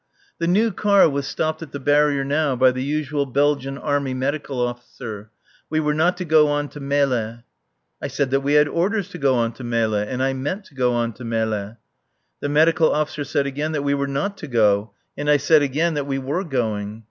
The new car was stopped at the barrier now by the usual Belgian Army Medical Officer. We were not to go on to Melle. I said that we had orders to go on to Melle; and I meant to go on to Melle. The Medical Officer said again that we were not to go, and I said again that we were going.